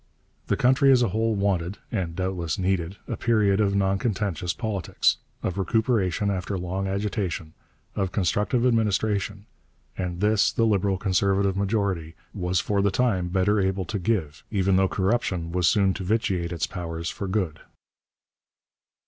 The country as a whole wanted, and doubtless needed, a period of noncontentious politics, of recuperation after long agitation, of constructive administration, and this the Liberal Conservative majority was for the time better able to give, even though corruption was soon to vitiate its powers for good.